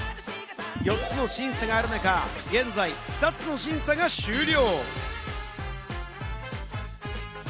４つの審査がある中、現在、２つの審査が終了。